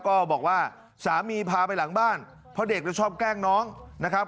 ก็บอกว่าสามีพาไปหลังบ้านเพราะเด็กชอบแกล้งน้องนะครับ